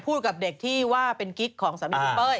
กับเด็กที่ว่าเป็นกิ๊กของสามีคุณเป้ย